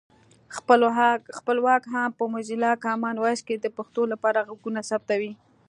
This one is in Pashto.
خپلواک هم په موزیلا کامن وایس کې د پښتو لپاره غږونه ثبتوي